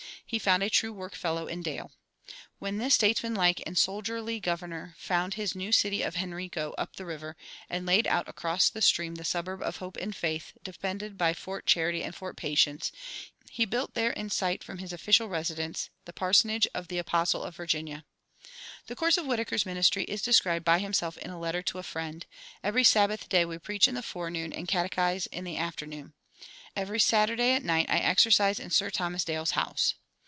He found a true workfellow in Dale. When this statesmanlike and soldierly governor founded his new city of Henrico up the river, and laid out across the stream the suburb of Hope in Faith, defended by Fort Charity and Fort Patience, he built there in sight from his official residence the parsonage of the "apostle of Virginia." The course of Whitaker's ministry is described by himself in a letter to a friend: "Every Sabbath day we preach in the forenoon and catechise in the afternoon. Every Saturday, at night, I exercise in Sir Thomas Dale's house."